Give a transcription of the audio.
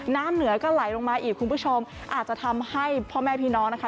น้ำเหนือก็ไหลลงมาอีกคุณผู้ชมอาจจะทำให้พ่อแม่พี่น้องนะคะ